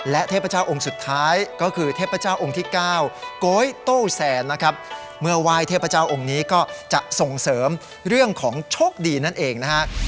และเทพเจ้าองค์สุดท้ายก็คือเทพเจ้าองค์ที่เก้าโก๊ยโต้แซนนะครับเมื่อไหว้เทพเจ้าองค์นี้ก็จะส่งเสริมเรื่องของโชคดีนั่นเองนะฮะ